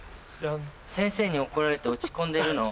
先生に怒られて落ち込んでるの。